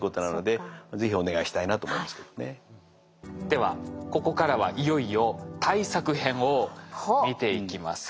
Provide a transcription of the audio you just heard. ではここからはいよいよ対策編を見ていきます。